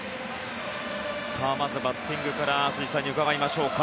まずバッティングから辻さんに伺いましょうか。